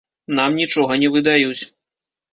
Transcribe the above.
Нам нічога не выдаюць.